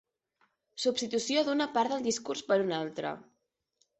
Substitució d'una part del discurs per una altra.